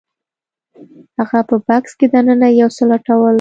هغه په بکس کې دننه یو څه لټول